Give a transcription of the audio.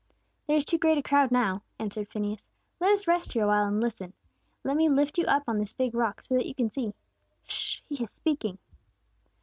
"There is too great a crowd, now," answered Phineas. "Let us rest here awhile, and listen. Let me lift you up on this big rock, so that you can see. 'Sh! He is speaking!"